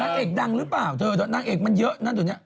นางเอกดังรึเปล่าเถอะนางเอกมันเยอะ